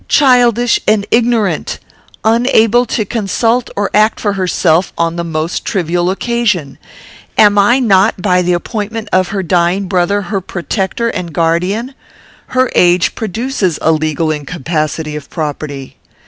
Childish and ignorant! Unable to consult and to act for herself on the most trivial occasion. Am I not, by the appointment of her dying brother, her protector and guardian? Her age produces a legal incapacity of property.